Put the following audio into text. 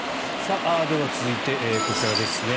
では、続いてこちらですね。